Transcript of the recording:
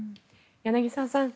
柳澤さん